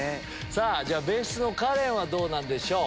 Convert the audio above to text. じゃあ別室のカレンはどうなんでしょう？